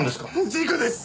事故です！